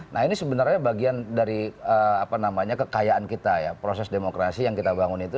nah ini sebenarnya bagian dari kekayaan kita ya proses demokrasi yang kita bangun itu